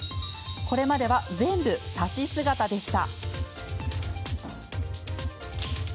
これまで全部、立ち姿でした。